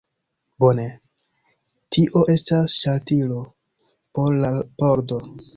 Bone. Tio estas ŝaltilo por la pordo.